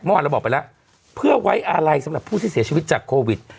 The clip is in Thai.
เมื่อวานเราบอกไปแล้วเพื่อไว้อาลัยสำหรับผู้ที่เสียชีวิตจากโควิด